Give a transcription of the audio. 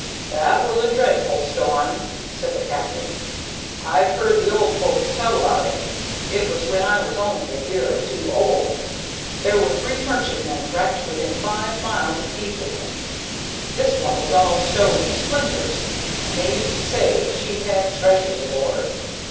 "That was a dreadful storm," said the captain. "I've heard the old folks tell about it; it was when I was only a year or two old. There were three merchantmen wrecked within five miles of Deephaven. This one was all stove to splinters, and they used to say she had treasure aboard.